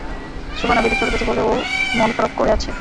শোবানা বিদেশ চলে গেছে বলে ও মন খারাপ করে আছে।